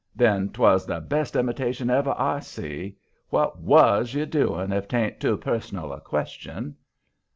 "Then 'twas the best imitation ever I see. What WAS you doing, if 'tain't too personal a question?"